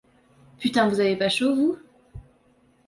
Putain vous avez pas chaud, vous ?